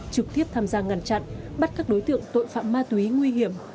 trực tiếp tham gia ngàn trận bắt các đối tượng tội phạm ma túy nguy hiểm